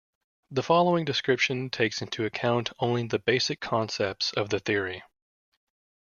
The following description takes into account only the basic concepts of the theory.